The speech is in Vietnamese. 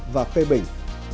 và phê bình